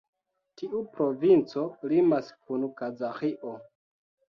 Tiu provinco limas kun Kazaĥio.